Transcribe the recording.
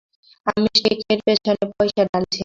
আমি স্টেকের পেছনে পয়সা ঢালছি না।